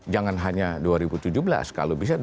jangan hanya dua ribu tujuh belas kalau bisa dua ribu delapan belas